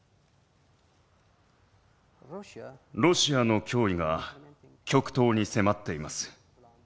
ロシアの脅威が極東に迫っています。